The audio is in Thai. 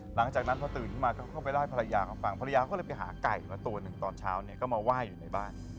หลังจากนั้นพอตื่นขึ้นมาเขาก็ไปเล่าให้ภรรยาเขาฟังภรรยาเขาเลยไปหาไก่มาตัวหนึ่งตอนเช้าเนี่ยก็มาไหว้อยู่ในบ้าน